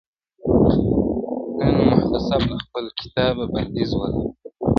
نن محتسب له خپل کتابه بندیز ولګاوه،